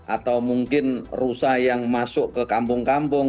atau mungkin rusa yang masuk ke kampung kampung